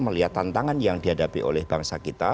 melihat tantangan yang dihadapi oleh bangsa kita